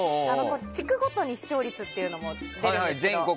地区ごとに視聴率というのも出るんですよ。